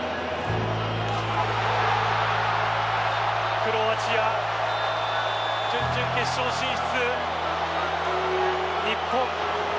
クロアチア準々決勝進出。